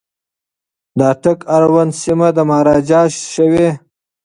د اټک اړوند سیمي د مهاراجا شوې.